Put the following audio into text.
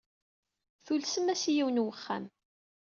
Tulsemt-as i yiwen n wexxam.